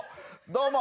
どうも。